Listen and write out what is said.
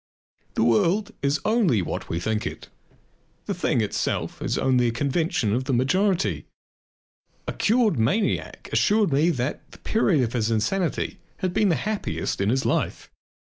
The world is only what we think it; the "thing itself" is only a convention of the majority. A cured maniac assured me that the period of his insanity had been the happiest in his life.